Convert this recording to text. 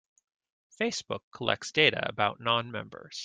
Facebook collects data about non-members.